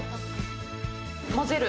混ぜる。